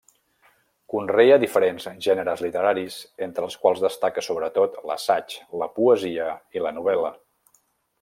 Conrea diferents gèneres literaris entre els quals destaca sobretot l'assaig, la poesia i la novel·la.